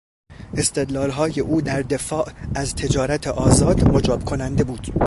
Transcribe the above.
استدلالهای او در دفاع از تجارت آزاد مجاب کننده بود.